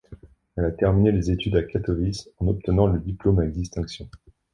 Elle a terminé les études à Katowice en obtenant le diplôme avec distinction.